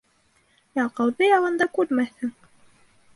Ялҡауҙы яланда күрмәҫһең.